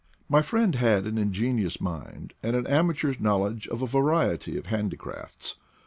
My friend had an ingenious mind and an amateur's knowledge of a variety of handicrafts.